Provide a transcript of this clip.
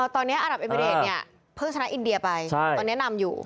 ตอนนี้อารับเอมิเรดเนี่ยเพิ่งชนะอินเดียไปตอนนี้นำอยู่